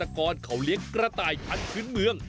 เพราะเกษตรกรเขาเลี้ยงกระต่ายทันพื้นเมือง